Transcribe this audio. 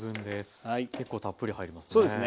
結構たっぷり入りますね。